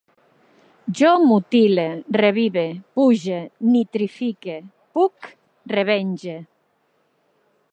Jo mutile, revive, puge, nitrifique, puc, revenge